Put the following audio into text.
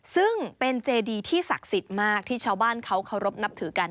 ซึ่งเป็นเจดีที่ศักดิ์สิทธิ์มากที่ชาวบ้านเขาเคารพนับถือกัน